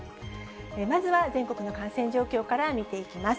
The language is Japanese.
まずは全国の感染状況から見ていきます。